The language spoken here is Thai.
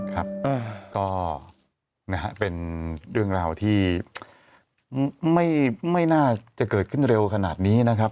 ครับก็เป็นเรื่องราวที่ไม่น่าจะเกิดขึ้นเร็วขนาดนี้นะครับ